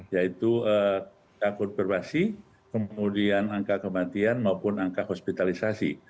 yaitu takut pervasi kemudian angka kematian maupun angka hospitalisasi